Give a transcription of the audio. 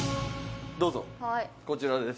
どうぞこちらです。